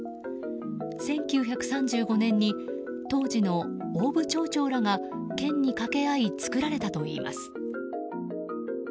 １９３５年に当時の大府町長らが県に掛け合い造られたといいます。